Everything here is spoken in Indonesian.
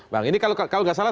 bang ini kalau nggak salah